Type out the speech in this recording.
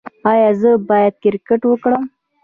ایا زه باید کرکټ وکړم؟